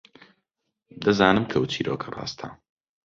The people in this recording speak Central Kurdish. دەزانم کە ئەم چیرۆکە ڕاستە.